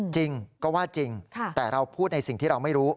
จริงก็ว่าจริงแต่เราพูดในสิ่งที่เราไม่รู้